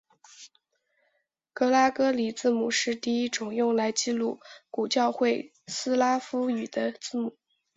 格拉哥里字母是第一种用来记录古教会斯拉夫语的字母。